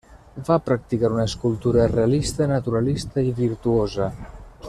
Va practicar una escultura realista, naturalista i virtuosa.